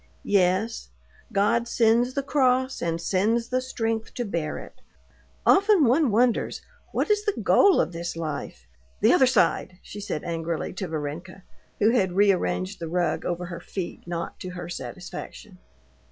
"Yes; God sends the cross and sends the strength to bear it. Often one wonders what is the goal of this life?... The other side!" she said angrily to Varenka, who had rearranged the rug over her feet not to her satisfaction.